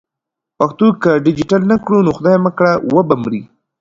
پښتو که ډیجیټل نه کړو نو خدای مه کړه و به مري.